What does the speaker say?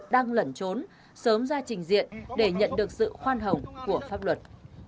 đang lẩn trốn ra trình diện để nhận được sự khoan hồng của pháp luật